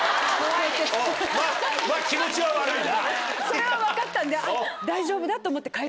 それは分かったんで「大丈夫だ」と思って帰って来た。